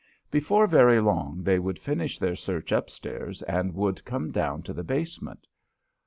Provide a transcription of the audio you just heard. Before very long they would finish their search up stairs and would come down to the basement.